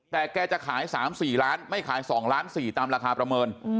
แต่แกจะขาย๓๔ล้านไม่ขาย๒ล้าน๔ตามราคาประเมิน